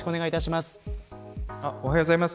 おはようございます。